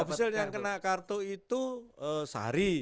ofisial yang kena kartu itu sari